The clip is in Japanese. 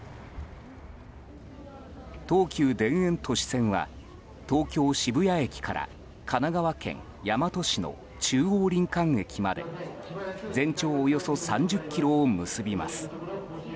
東急田園都市線は東京・渋谷駅から神奈川県大和市の中央林間駅まで全長およそ３０ｋｍを結びます。